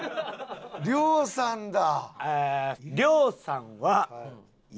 亮さんだ！